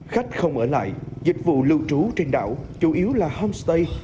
khách không ở lại dịch vụ lưu trú trên đảo chủ yếu là homestay